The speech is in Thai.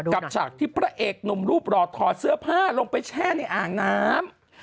ฉากที่พระเอกหนุ่มรูปหล่อถอดเสื้อผ้าลงไปแช่ในอ่างน้ำ